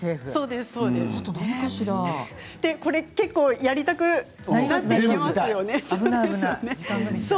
これ、結構やりたくなりますよね。